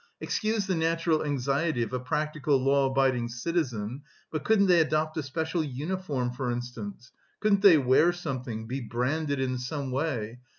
Excuse the natural anxiety of a practical law abiding citizen, but couldn't they adopt a special uniform, for instance, couldn't they wear something, be branded in some way?